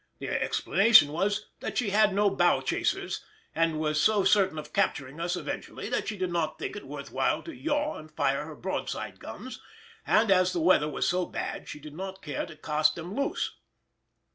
The explanation was, that she had no "bow chasers," and was so certain of capturing us eventually, that she did not think it worth while to "yaw" and fire her broadside guns, and as the weather was so bad she did not care to cast them loose.